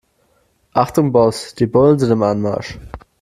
Achtung Boss, die Bullen sind im Anmarsch.